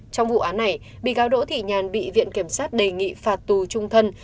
trong vụ án này bị cáo đỗ thị nhàn bị viện kiểm sát đề nghị phạt tù trung thân